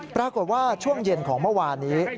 ปรากฏว่าช่วงเย็นของเมื่อวานนี้